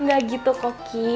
gak gitu koki